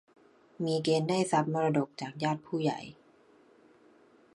มีเกณฑ์ได้ทรัพย์มรดกจากญาติผู้ใหญ่